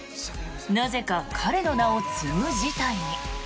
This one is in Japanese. なぜか彼の名を継ぐ事態に。